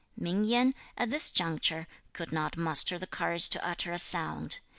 Ming Yen, at this juncture, could not muster the courage to utter a sound.